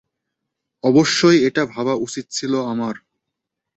অবশ্যই, এটা ভাবা উচিত ছিল আমার।